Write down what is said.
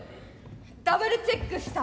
ダブルチェックした？